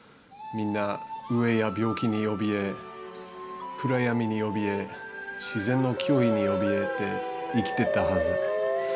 みんな飢えや病気におびえ暗闇におびえ自然の脅威におびえて生きてたはず。